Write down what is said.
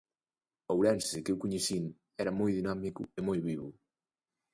O Ourense que eu coñecín era moi dinámico e moi vivo.